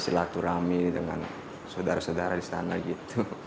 silaturahmi dengan saudara saudara di sana gitu